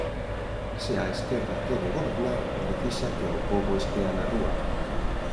Se a esquerda quere gobernar, precisa que o pobo estea na rúa.